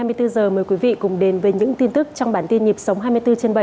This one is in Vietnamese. mời quý vị cùng đến với những tin tức trong bản tin nhịp sống hai mươi bốn trên bảy